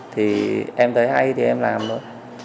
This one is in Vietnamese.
thì em thấy hay thì em làm thôi